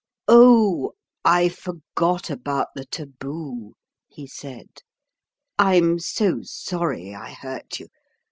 "Oh, I forgot about the taboo," he said. "I'm so sorry I hurt you.